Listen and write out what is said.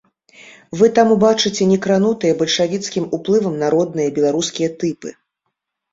Вы там убачыце не кранутыя бальшавіцкім уплывам народныя беларускія тыпы.